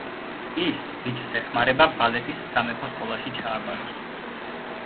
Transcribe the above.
ის ბიჭს ეხმარება, ბალეტის სამეფო სკოლაში ჩააბაროს.